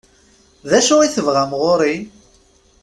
D acu i tebɣam ɣur-i?